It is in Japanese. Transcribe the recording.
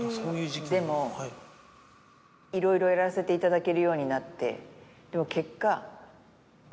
でもいろいろやらせていただけるようになって。